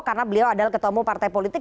karena beliau adalah ketua umum partai politik